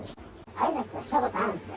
あいさつはしたことあるんですよ。